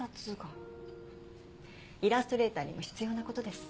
イラストレーターにも必要なことです。